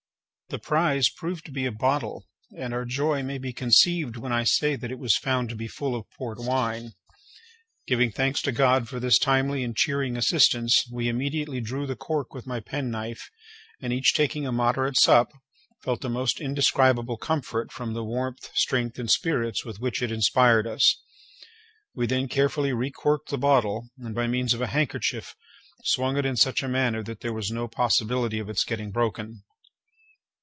The prize proved to be a bottle, and our joy may be conceived when I say that it was found to be full of port wine. Giving thanks to God for this timely and cheering assistance, we immediately drew the cork with my penknife, and, each taking a moderate sup, felt the most indescribable comfort from the warmth, strength, and spirits with which it inspired us. We then carefully recorked the bottle, and, by means of a handkerchief, swung it in such a manner that there was no possibility of its getting broken.